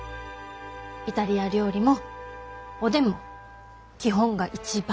イタリア料理もおでんも基本が一番大事。